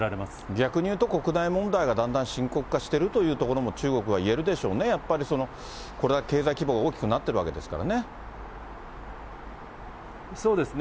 逆にいうと国内問題がだんだん深刻化しているというところも中国はいえるでしょうね、やっぱり、これだけ経済規模が大きくなそうですね。